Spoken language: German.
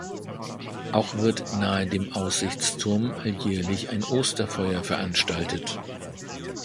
Auch wird nahe dem Aussichtsturm alljährlich ein Osterfeuer veranstaltet.